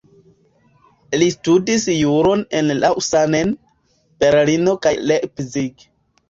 Li studis juron en Lausanne, Berlino kaj Leipzig.